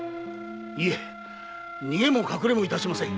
いえ逃げも隠れも致しません。